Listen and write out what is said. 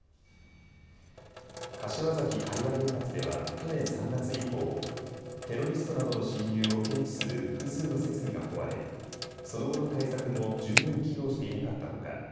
柏崎刈羽原発では去年３月以降、テロリストなどの侵入を検知する複数の設備が壊れ、その後の対策も十分機能していなかったほか